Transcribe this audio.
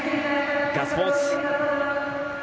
ガッツポーズ。